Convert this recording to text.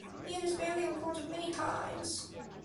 He and his family were tortured many times.